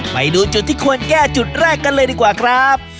ไปดูจุดที่ควรแก้จุดแรกกันเลยดีกว่าครับ